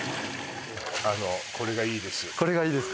あのこれがいいです